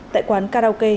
tại quán karaoke